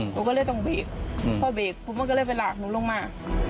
เขาก็เลยต้องเบรกพอเบรกเขาก็เลยไปหลากนู้นลงมา